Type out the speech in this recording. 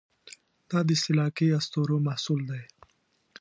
دا د استهلاکي اسطورو محصول دی.